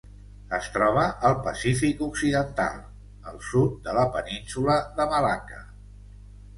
Es troba al Pacífic occidental: el sud de la península de Malacca.